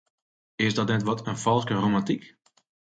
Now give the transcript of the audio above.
Is dat net wat in falske romantyk?